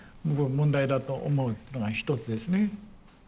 問題だと思うというのが一つですね。